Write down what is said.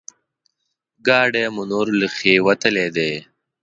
ګاډی مو نور له ښې وتلی دی.